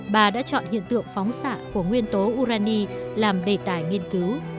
bà đã chọn hiện tượng phóng xạ của nguyên tố urani làm đề tài nghiên cứu